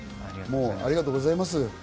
ありがとうございます。